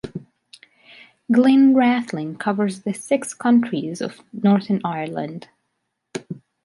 Glen Rathlin covers the six counties of Northern Ireland.